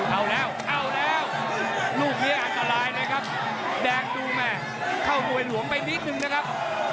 เอาแล้วเอาแล้วลูกนี้อันตรายนะครับแดงดูแม่เข้ามวยหลวงไปนิดนึงนะครับ